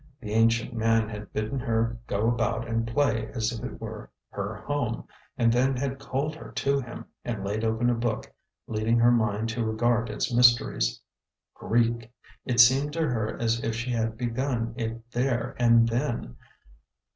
The ancient man had bidden her go about and play as if it were her home, and then had called her to him and laid open a book, leading her mind to regard its mysteries. Greek! It seemed to her as if she had begun it there and then.